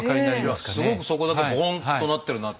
すごくそこだけボンとなってるなって。